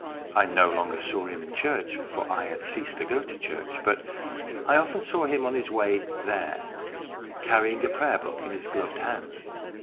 I no longer saw him in church, for I had ceased to go to church, but I often saw him on his way there, carrying a prayer book in his gloved hands.